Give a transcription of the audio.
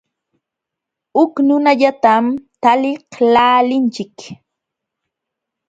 Huk nunallatam taliqlaalinchik.